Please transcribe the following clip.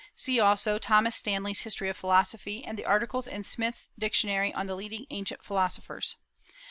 See also Thomas Stanley's History of Philosophy, and the articles in Smith's Dictionary on the leading ancient philosophers.